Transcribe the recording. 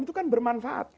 itu kan bermanfaat